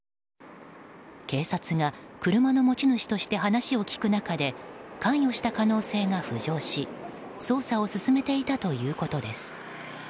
警察が、車の持ち主として話を聞く中で関与した可能性が浮上し捜査を進めていたということです。